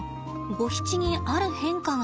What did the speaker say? ゴヒチにある変化が。